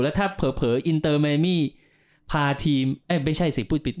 แล้วถ้าเผลออินเตอร์แมนมีพาทีม่อนิยมไม่ใช่สิกลูกหน่อยพูดปิด